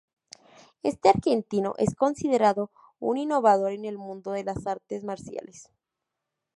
Este argentino es considerado un innovador en el mundo de las artes marciales.